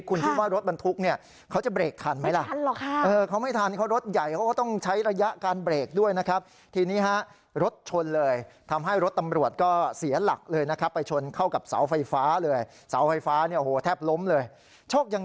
คุณดึงว่ารถมันทุกข์